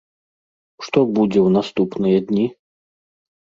Што будзе ў наступныя дні?